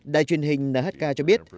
đài truyền hình nhk cho biết